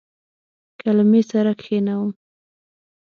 کلمې سره کښینوم